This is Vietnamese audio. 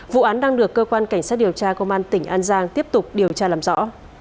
vụ án đang được cơ quan cảnh sát điều tra công an tp hcm tiếp tục điều tra làm rõ